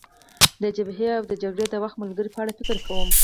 د جبهې او د جګړې د وخت ملګرو په اړه فکر کوم.